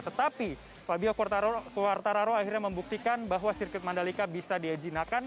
tetapi fabio quartararo akhirnya membuktikan bahwa sirkuit mandalika bisa diajinakan